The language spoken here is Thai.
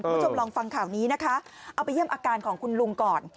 คุณผู้ชมลองฟังข่าวนี้นะคะเอาไปเยี่ยมอาการของคุณลุงก่อน